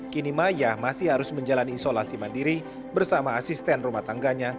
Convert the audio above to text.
kini maya masih harus menjalani isolasi mandiri bersama asisten rumah tangganya